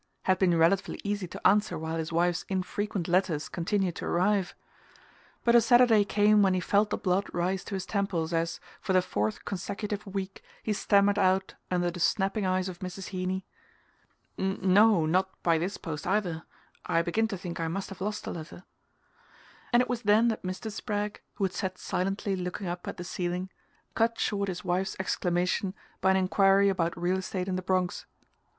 had been relatively easy to answer while his wife's infrequent letters continued to arrive; but a Saturday came when he felt the blood rise to his temples as, for the fourth consecutive week, he stammered out, under the snapping eyes of Mrs. Heeny: "No, not by this post either I begin to think I must have lost a letter"; and it was then that Mr. Spragg, who had sat silently looking up at the ceiling, cut short his wife's exclamation by an enquiry about real estate in the Bronx.